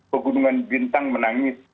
pegunungan bintang menangis